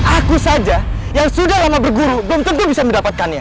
aku saja yang sudah lama berguru belum tentu bisa mendapatkannya